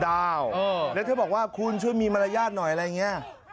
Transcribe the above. แล้วเธอบอกว่าคุณช่วยมีมารยาทหน่อยอะไรอย่างนี้